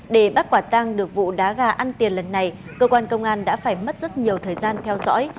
để bắt quả tăng được vụ đá gà ăn tiền lần này cơ quan công an đã phải mất rất nhiều thời gian theo dõi